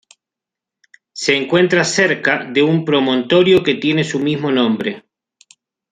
Se encuentra cerca de un promontorio que tiene su mismo nombre.